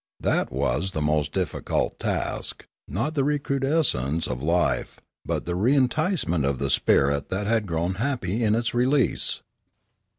That was the most difficult task, not the recrudescence of life, but the re enticement of the spirit that had grown happy in its release.